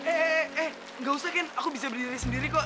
eh eh eh eh gak usah ken aku bisa berdiri sendiri kok